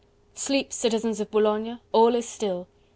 "Sleep, citizens of Boulogne! all is still!"